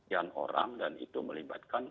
sekian orang dan itu melibatkan